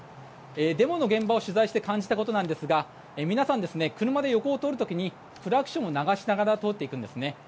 デモの現場を取材して感じたことなんですが皆さん、車で横を通る時にクラクションを鳴らしながら通っていくんですね。